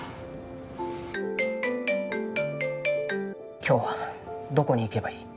今日はどこに行けばいい？